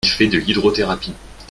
Il fait de l’hydrothérapie.